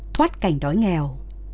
thoát cảnh đói nghèo